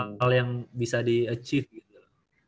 angkal yang bisa di achieve gitu